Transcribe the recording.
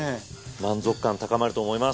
満足感高まると思います。